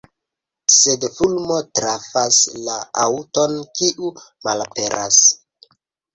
Sed fulmo trafas la aŭton, kiu malaperas.